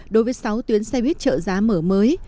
đối với sáu tuyến xe buýt trợ giá mở mới